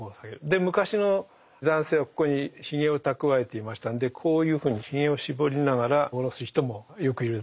で昔の男性はここにヒゲをたくわえていましたんでこういうふうにヒゲを絞りながら下ろす人もよくいるんですけども。